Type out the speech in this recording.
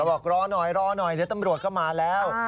ก็บอกรอหน่อยเดี๋ยวตำรวจก็มาแล้ว